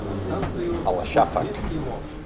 El xàfec.